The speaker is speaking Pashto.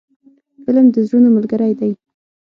فلم د زړونو ملګری دی